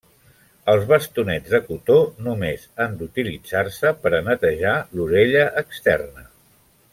Els bastonets de cotó només han d'utilitzar-se per a netejar l'orella externa.